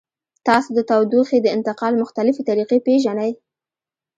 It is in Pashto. تاسو د تودوخې د انتقال مختلفې طریقې پیژنئ؟